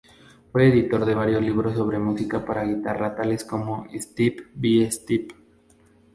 Fue editor de varios libros sobre música para guitarra tales como "Step by step.